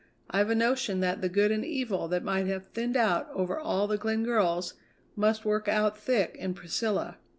I've a notion that the good and evil that might have thinned out over all the Glenn girls must work out thick in Priscilla."